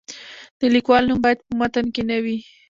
د لیکوال نوم باید په متن کې نه وي.